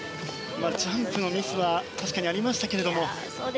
ジャンプのミスは確かにありましたけれども。